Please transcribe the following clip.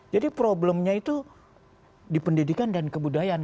jadi problemnya itu di pendidikan dan kebudayaan